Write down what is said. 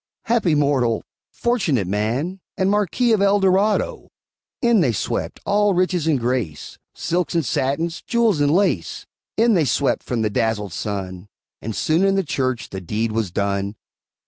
Happy mortal! fortunate man! And Marquis of El Dorado! In they swept, all riches and grace, Silks and satins, jewels and lace; In they swept from the dazzled sun, And soon in the church the deed was done.